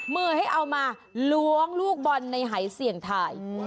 มือให้เอามาล้วงลูกบอลในหายเสี่ยงทาย